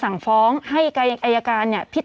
ผู้ต้องหาที่ขับขี่รถจากอายานยนต์บิ๊กไบท์